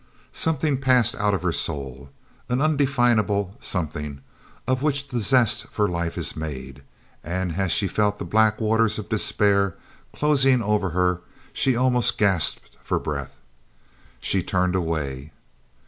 Something passed out of her soul, an undefinable something of which the zest for life is made, and as she felt the black waters of despair closing over her she almost gasped for breath. She turned away.